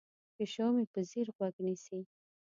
پیشو مې په ځیر غوږ نیسي.